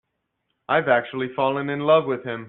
I've actually fallen in love with him.